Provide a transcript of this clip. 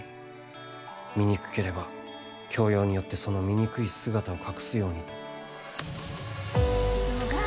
醜ければ教養によってその醜い姿を隠すように」と。